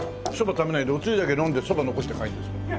食べないでおつゆだけ飲んでそば残して帰るんですよ。